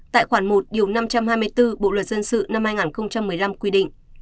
tại khoản một năm trăm hai mươi bốn bộ luật dân sự năm hai nghìn một mươi năm quy định